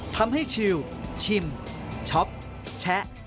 ทำให้ชิลชิมช็อปแชะ